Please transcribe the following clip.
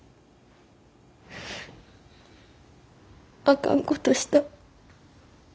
あかんことした。